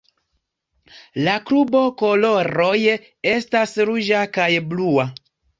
La klubo koloroj estas ruĝa kaj blua.